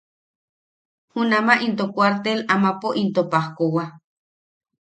Junamaʼa into kuartel amapo into pajkowa.